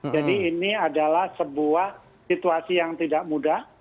jadi ini adalah sebuah situasi yang tidak mudah